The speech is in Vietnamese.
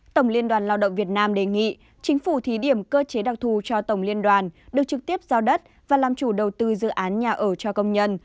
tổng liên đoàn lao động việt nam đề nghị chính phủ thí điểm cơ chế đặc thù cho tổng liên đoàn được trực tiếp giao đất và làm chủ đầu tư dự án nhà ở cho công nhân